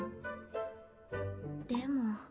でも。